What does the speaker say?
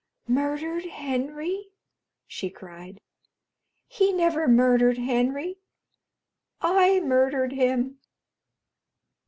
"Murdered Henry?" she cried. "He never murdered Henry. I murdered him."